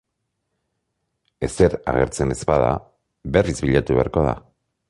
Ezer agertzen ez bada, berriz bilatu beharko da.